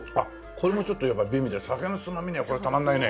これもちょっとやっぱり美味で酒のつまみにはこれたまらないね。